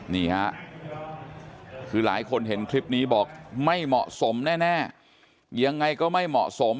นี่ฮะคือหลายคนเห็นคลิปนี้บอกไม่เหมาะสมแน่ยังไงก็ไม่เหมาะสม